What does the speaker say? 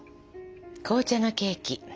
紅茶のケーキ。